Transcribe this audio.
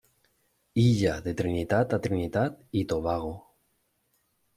Illa de Trinitat a Trinitat i Tobago.